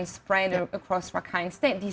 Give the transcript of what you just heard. berkumpul di rakhine state